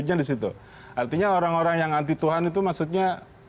artinya orang orang yang anti tuhan itu maksudnya